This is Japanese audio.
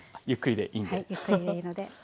ゆっくりでいいんで。